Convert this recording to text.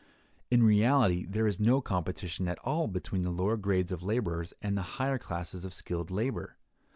In reality there is no competition at all between the lower grades of laborers and the higher classes of skilled labor.